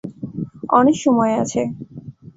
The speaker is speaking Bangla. অনেক সময় আছে।